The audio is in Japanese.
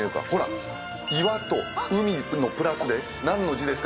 岩と海のプラスで何の字ですか？